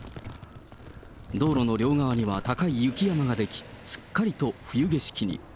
道路の両側には高い雪山が出来、すっかりと冬景色に。